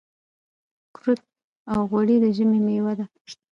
کورت او غوړي د ژمي مېوه ده .